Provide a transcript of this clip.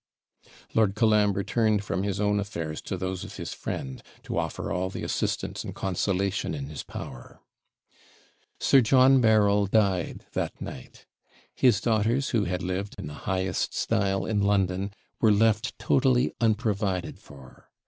Lord Colambre turned from his own affairs to those of his friend, to offer all the assistance and consolation in his power. Sir John Berryl died that night. His daughters, who had lived in the highest style in London, were left totally unprovided for.